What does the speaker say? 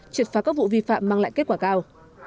triệt phá các vụ vi phạm mang lại kết quả cao